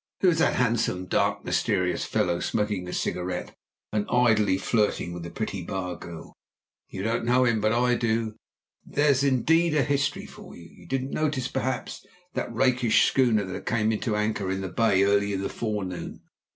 Who is that handsome, dark, mysterious fellow, smoking a cigarette and idly flirting with the pretty bar girl? You don't know him, but I do! There's indeed a history for you. You didn't notice, perhaps, that rakish schooner that came to anchor in the bay early in the forenoon.